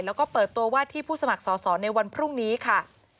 แล้วก็เปิดตัวว่าที่ผู้สมัครสอสอในวันพรุ่งนี้ค่ะ